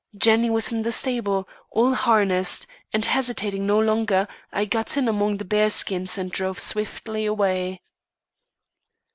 Jenny was in the stable, all harnessed; and hesitating no longer, I got in among the bear skins and drove swiftly away."